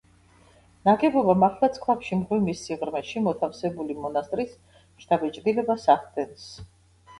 ნაგებობა მართლაც ქვაბში, მღვიმის სიღრმეში მოთავსებული მონასტრის შთაბეჭდილებას ახდენს.